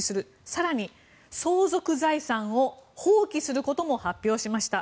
更に相続財産を放棄することも発表しました。